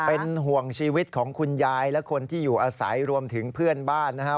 เป็นห่วงชีวิตของคุณยายและคนที่อยู่อาศัยรวมถึงเพื่อนบ้านนะครับ